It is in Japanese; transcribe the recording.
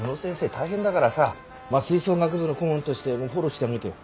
大変だからさ吹奏楽部の顧問としてフォローしてあげてよ。